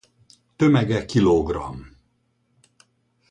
Tömege kilogramm.